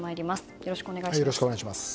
よろしくお願いします。